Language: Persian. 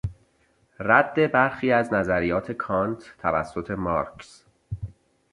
رد برخی از نظریات کانت توسط مارکس